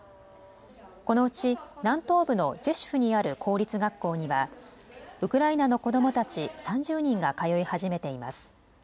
このうち南東部のジェシュフにある公立学校にはウクライナの子どもたち３０人が通い始めています。